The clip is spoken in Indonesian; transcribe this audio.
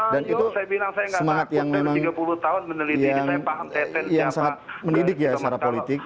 dan itu semangat yang memang yang sangat mendidik ya secara politik